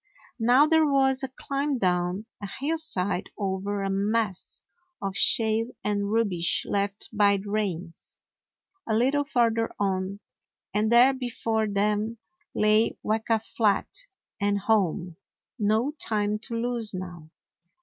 Now there was a climb down a hillside over a mass of shale and rubbish left by the rains. A little farther on, and there before them lay Weka Flat, and home! No time to lose now.